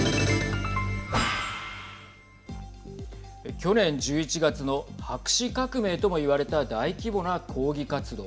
去年１１月の白紙革命とも言われた大規模な抗議活動。